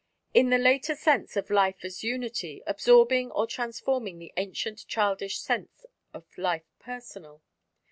in the later sense of Life as Unity absorbing or transforming the ancient childish sense of life personal?